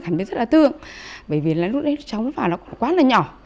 thấy rất là thương bởi vì là lúc đấy cháu mới vào nó cũng quá là nhỏ